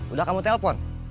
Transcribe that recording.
udah kamu telepon